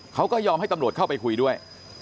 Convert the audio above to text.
เขาก็ยอมให้ตำรวจเข้าไปคุยด้วย